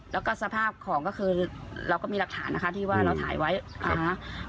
แล้วก็สภาพของก็คือเราก็มีหลักฐานนะคะที่ว่าเราถ่ายไว้นะคะ